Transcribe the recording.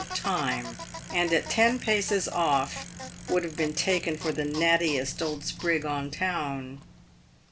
of time, and at ten paces off would have been taken for the nattiest old sprig on town.